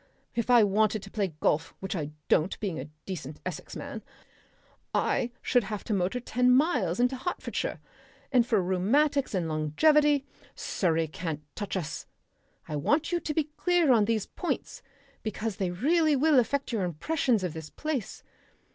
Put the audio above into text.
If I wanted to play golf which I don't, being a decent Essex man I should have to motor ten miles into Hertfordshire. And for rheumatics and longevity Surrey can't touch us. I want you to be clear on these points, because they really will affect your impressions of this place....